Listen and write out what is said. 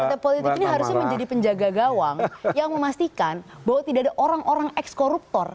partai politik ini harusnya menjadi penjaga gawang yang memastikan bahwa tidak ada orang orang ex koruptor